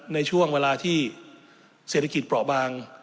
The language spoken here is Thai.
ในช่วงเวลาที่เศรษฐกิจเปราะบาง